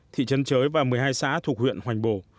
thị trấn chới và một mươi hai xã thuộc huyện hoành bồ